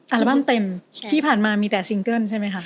อัลบั้มเต็มที่ผ่านมามีแต่ซิงเกิ้ลใช่ไหมคะ